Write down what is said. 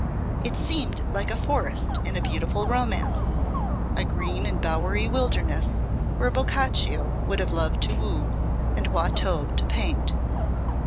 It seemed like a forest in a beautiful romance; a green and bowery wilderness where Boccaccio would have loved to woo, and Watteau to paint.